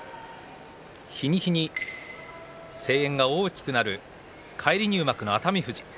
日に日に声援が大きくなる返り入幕の熱海富士。